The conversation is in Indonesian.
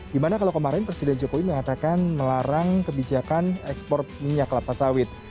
dimana kalau kemarin presiden jokowi mengatakan melarang kebijakan ekspor minyak kelapa sawit